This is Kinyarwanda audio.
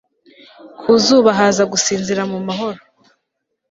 ku zuba haza gusinzira mu mahoro